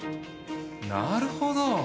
なるほど。